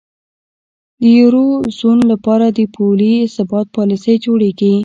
د یورو زون لپاره د پولي ثبات پالیسۍ جوړیږي.